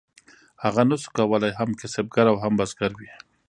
هغه نشو کولی هم کسبګر او هم بزګر وي.